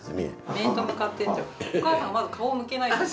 お母さんまず顔向けないと。